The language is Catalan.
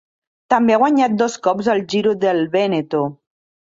També ha guanyat dos cops el Giro del Vèneto.